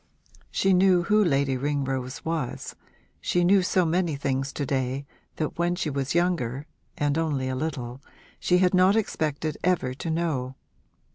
She knew who Lady Ringrose was; she knew so many things to day that when she was younger and only a little she had not expected ever to know.